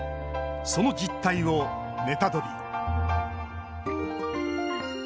その実態をネタドリ！